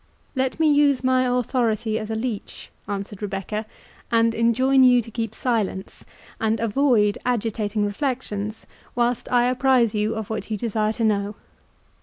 "Let me use my authority as a leech," answered Rebecca, "and enjoin you to keep silence, and avoid agitating reflections, whilst I apprize you of what you desire to know.